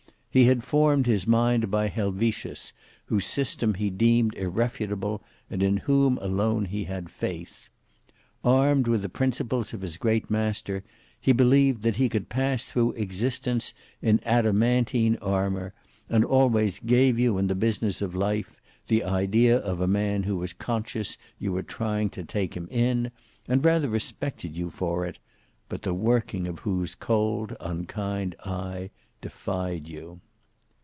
He had formed his mind by Helvetius, whose system he deemed irrefutable, and in whom alone he had faith. Armed with the principles of his great master, he believed he could pass through existence in adamantine armour, and always gave you in the business of life the idea of a man who was conscious you were trying to take him in, and rather respected you for it, but the working of whose cold, unkind, eye defied you.